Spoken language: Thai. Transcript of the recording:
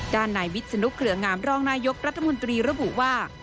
ด้านนายวิศนุเครืองามรองนายกรัฐมนตรีระบุว่า